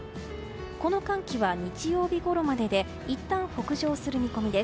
この寒気は日曜日ごろまででいったん北上する見込みです。